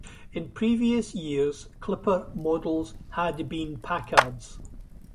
In previous years, Clipper models had been Packards.